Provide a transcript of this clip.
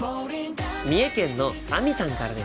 三重県のあみさんからです。